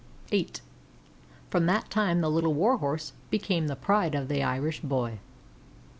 VIII From that time the Little Warhorse became the pride of the Irish boy.